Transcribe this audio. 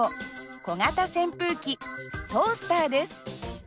小型扇風機トースターです。